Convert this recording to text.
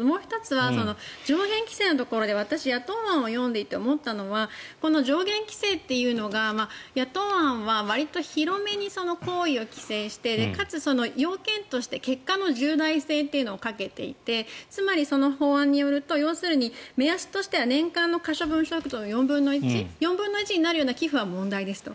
もう１つは上限規制のところで私野党案を読んでいて思ったのはこの上限規制というのが野党案はわりと広めに行為を規制してかつ要件として結果の重大性というのをかけていてつまりその法案によると要するに目安としては年間の可処分所得の４分の１になるような寄付は問題ですと。